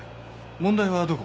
問題はどこ？